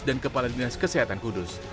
dan kepala dinas kesehatan kudus